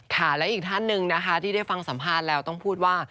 และอีกท่านหนึ่งนะคะที่ได้ฟังสัมภาษณ์แล้วต้องพูดว่า